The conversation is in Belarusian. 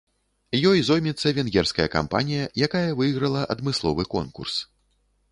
Ёй зоймецца венгерская кампанія, якая выйграла адмысловы конкурс.